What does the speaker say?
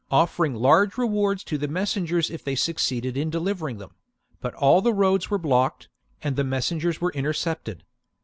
c. offering large rewards to the messengers if they The defence, succeeded in delivering them ; but all the roads were blocked, and the messengers were inter cepted.